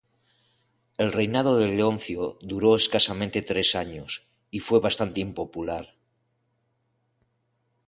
El reinado de Leoncio duró escasamente tres años y fue bastante impopular.